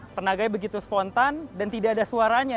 tenaganya begitu spontan dan tidak ada suaranya